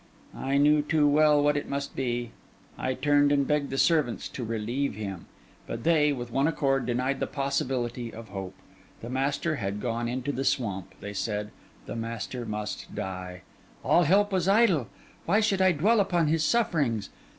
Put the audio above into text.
I knew too well what it must be. I turned and begged the servants to relieve him. But they, with one accord, denied the possibility of hope; the master had gone into the swamp, they said, the master must die; all help was idle. Why should I dwell upon his sufferings?